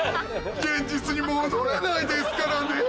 現実に戻れないですからね。